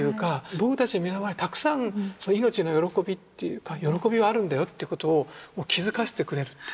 僕たち身の回りたくさんそういう命の喜びっていうか喜びはあるんだよってことを気付かせてくれるっていうか。